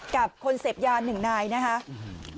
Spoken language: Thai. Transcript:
กับคนเสพยานหนึ่งนายนะใช่ไหม